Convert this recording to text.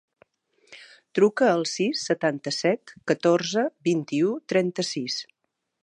Truca al sis, setanta-set, catorze, vint-i-u, trenta-sis.